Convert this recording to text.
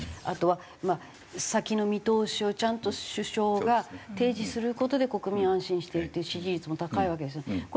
あとはまあ先の見通しをちゃんと首相が提示する事で国民は安心していて支持率も高いわけですよね。